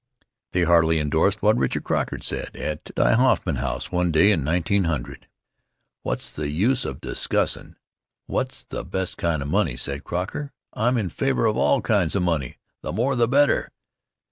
They heartily indorsed what Richard Croker said at die Hoffman House one day in 1900. "What's the use of discussin' what's the best kind of money?" said Croker. "I'm in favor of all kinds of money the more the better."